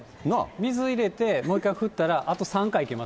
水入れてもう一回振ったら、あと３回いけます。